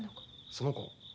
その子？